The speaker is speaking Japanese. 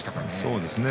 そうですね。